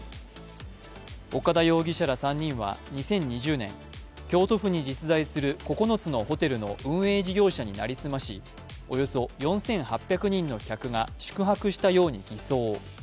岡田よぎしら３人は２０２０年、京都府に実在する運営事業者に成り済まし、およそ４８００人の客が宿泊したように偽装。